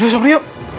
udah sobri yuk